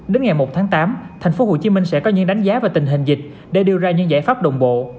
đến ngày một tháng tám tp hcm sẽ có những đánh giá về tình hình dịch để đưa ra những giải pháp đồng bộ